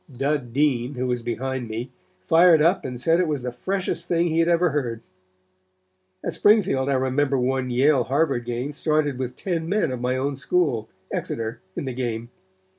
Dud Dean, who was behind me, fired up and said it was the freshest thing he had ever heard. At Springfield I remember one Yale Harvard game started with ten men of my own school, Exeter, in the game.